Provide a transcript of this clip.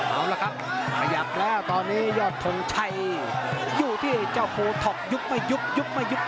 เอาละครับขยับแล้วตอนนี้ยอดทงชัยอยู่ที่เจ้าโพท็อปยุบไม่ยุบยุบไม่ยุบ